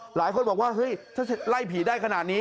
หลายคนบอกว่าเฮ้ยถ้าไล่ผีได้ขนาดนี้